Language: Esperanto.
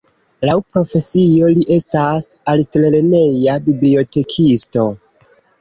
Laŭ profesio, li estas altlerneja bibliotekisto.